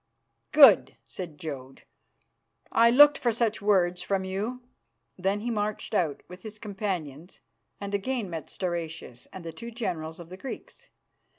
"Good!" said Jodd. "I looked for such words from you." Then he marched out, with his companions, and again met Stauracius and the two generals of the Greeks.